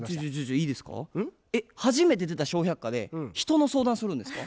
初めて出た「笑百科」で人の相談するんですか？